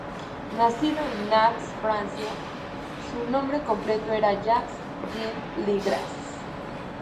Nacido en Nantes, Francia, su nombre completo era Jacques Jean Le Gras.